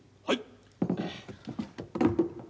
はい。